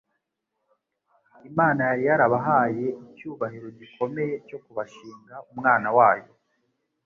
Imana yari yarabahaye icyubahiro gikomeye cyo kubashinga Umwana Wayo